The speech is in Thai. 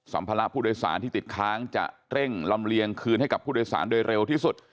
ภาระผู้โดยสารที่ติดค้างจะเร่งลำเลียงคืนให้กับผู้โดยสารโดยเร็วที่สุด